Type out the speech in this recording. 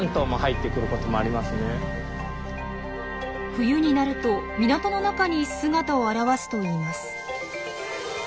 冬になると港の中に姿を現すといいます。